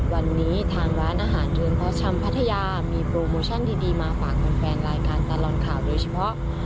วันนี้ทางร้านอาหารเดือนเพาะชำพัทยามีโปรโมชั่นดีมาฝากแฟนรายการตลอดข่าวโดยเฉพาะ